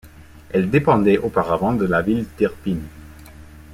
Elle dépendait auparavant de la ville d'Irpine.